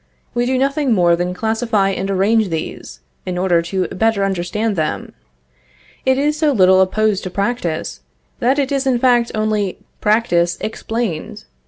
We do nothing more than classify and arrange these, in order to better understand them. It is so little opposed to practice, that it is in fact only practice explained.